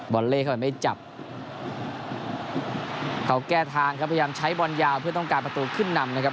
อลเล่เข้าไปไม่จับเขาแก้ทางครับพยายามใช้บอลยาวเพื่อต้องการประตูขึ้นนำนะครับ